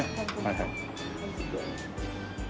はいはい。